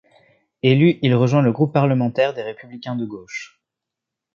Élu, il rejoint le groupe parlementaire des Républicains de gauche.